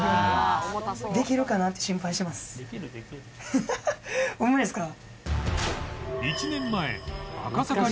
ハハハホンマですか？